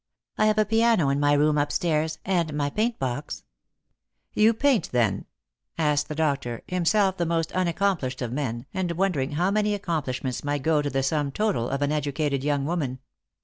I have a piano in my room up stairs, and my paint box." " You paint, then P " asked the doctor, himself the most unaccomplished of men, and wondering how many accomplish ments might go to the sum total of an educated young woman.